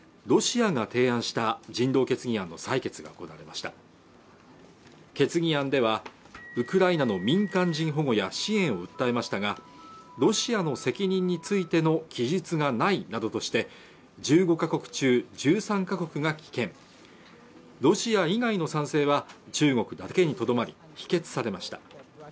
ロシアが提案した人道決議案の採決が行われました決議案ではウクライナの民間人保護や支援を訴えましたがロシアの責任についての記述がないなどとして１５か国中１３カ国が棄権ロシア以外の賛成は中国だけにとどまり否決されました